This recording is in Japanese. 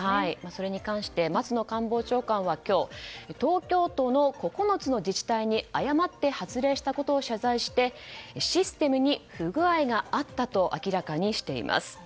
それに関して松野官房長官は今日東京都の９つの自治体に誤って発令したことを謝罪してシステムに不具合があったと明らかにしています。